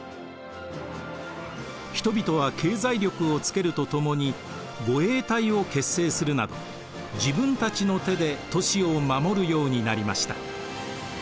人々は経済力をつけるとともに護衛隊を結成するなど自分たちの手で都市を守るようになりました。